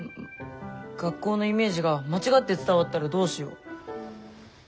学校のイメージが間違って伝わったらどうしよう。